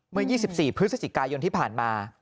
เมื่อ๒๔พฤศจิกายนที่ผ่านมา